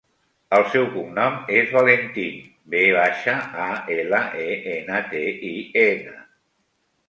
El seu cognom és Valentin: ve baixa, a, ela, e, ena, te, i, ena.